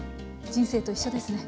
人生と一緒ですね。